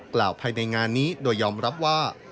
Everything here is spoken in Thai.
ภายในงานนี้โดยยอมรับว่า